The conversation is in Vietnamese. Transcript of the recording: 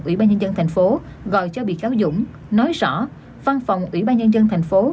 ủy ban nhân dân thành phố gọi cho bị cáo dũng nói rõ văn phòng ủy ban nhân dân thành phố